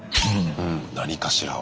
何かしらを。